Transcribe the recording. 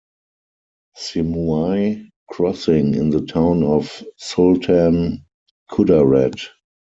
Simuay Crossing in the town of Sultan Kudarat.